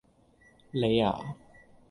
你呀?